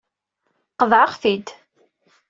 Qeḍɛeɣ-t-id.